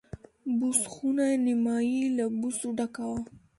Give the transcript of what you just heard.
بوس خونه نیمایي له بوسو ډکه وه.